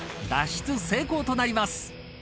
［脱出成功となります］